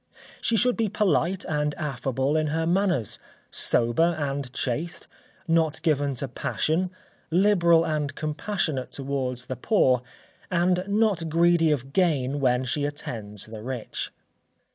She should be polite and affable in her manners, sober and chaste, not given to passion, liberal and compassionate towards the poor, and not greedy of gain when she attends the rich.